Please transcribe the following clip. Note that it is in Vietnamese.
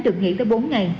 được nghỉ tới bốn ngày